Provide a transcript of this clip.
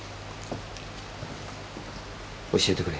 教えてくれよ。